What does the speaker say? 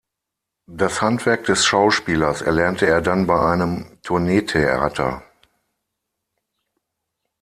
Das Handwerk des Schauspielers erlernte er dann bei einem Tourneetheater.